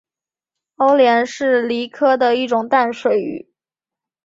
欧鲢是鲤科的一种淡水鱼。